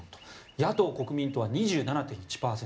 野党・国民党は２７．１％。